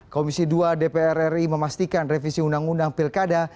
komisi dua dpr ri memastikan revisi undang undang pilkada